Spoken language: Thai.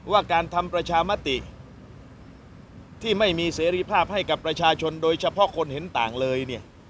ว่าการทำประชามติที่ไม่มีเสรีภาพให้กับประชาชนโดยเฉพาะคนเห็นต่างเลยเนี่ย